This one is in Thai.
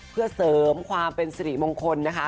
เพื่อเสริมความเป็นสิริมงคลนะคะ